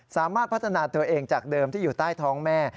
สามารถพัฒนาตัวเองจากเดิมที่อยู่ใต้ท้องแม่